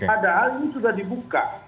padahal ini sudah dibuka